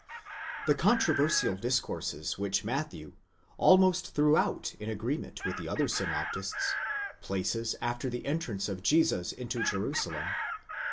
The controversial discourses which Matthew, almost throughout in agree ment with the other synoptists, places after the entrance of Jesus into Jeru salem (xxl.